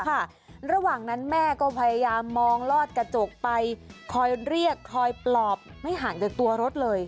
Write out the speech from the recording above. ระหว่างนั้นแม่ก็พยายามมองลอดกระจกไปคอยเรียกคอยปลอบไม่ห่างจากตัวรถเลย